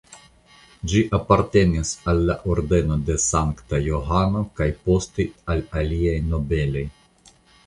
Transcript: Ĝi apartenis al la Ordeno de Sankta Johano kaj poste al aliaj nobeloj.